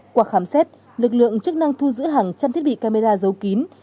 qua khám xét lực lượng chức năng thu giữ hàng trăm thiết bị camera giấu kín